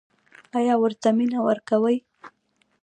ایا ورته مینه ورکوئ؟